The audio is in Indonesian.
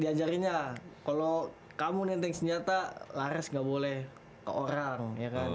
diajarinnya kalo kamu nenteng senjata laras gak boleh ke orang ya kan